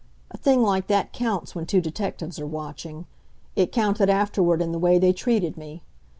A thing like that counts when two detectives are watching. It counted afterward in the way they treated me.